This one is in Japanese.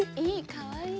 かわいい。